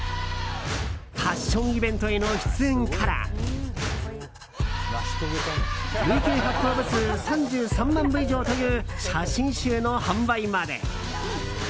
ファッションイベントへの出演から累計発行部数３３万部以上という写真集の販売まで。